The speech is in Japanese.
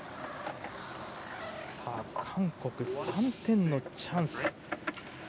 韓国、３点のチャンス。